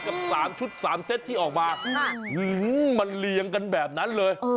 กับ๓ชุด๓เซตที่ออกมามันเรียงกันแบบนั้นเลย